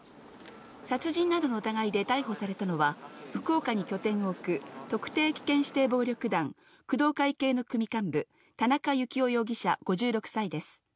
殺人などの疑いで逮捕されたのは、福岡に拠点を置く、特定危険指定暴力団、工藤会系の組幹部、田中幸雄容疑者５６歳です。